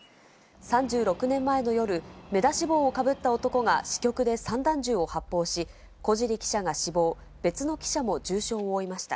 ３６年前の夜、目出し帽をかぶった男が支局で散弾銃を発砲し、小尻記者が死亡、別の記者も重傷を負いました。